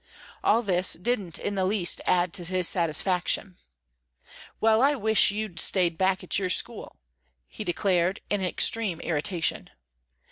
All this didn't in the least add to his satisfaction. "Well, I wish you'd stayed back in your school," he declared in extreme irritation.